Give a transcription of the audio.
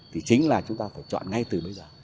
thì chính là chúng ta phải chọn ngay từ bây giờ